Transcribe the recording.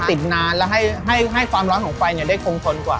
ติดนานแล้วให้ความร้อนของไฟได้คงทนกว่า